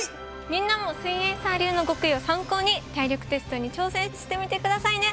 みんなもすイエんサー流の極意を参考に体力テストに挑戦してみてくださいね！